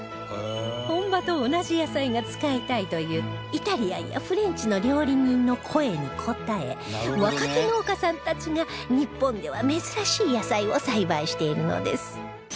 本場と同じ野菜が使いたいというイタリアンやフレンチの料理人の声に応え若手農家さんたちが日本では珍しい野菜を栽培しているのです